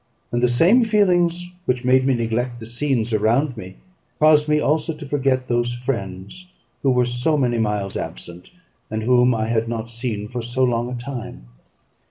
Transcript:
And the same feelings which made me neglect the scenes around me caused me also to forget those friends who were so many miles absent, and whom I had not seen for so long a time.